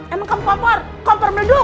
emang kamu kompor kompor menduk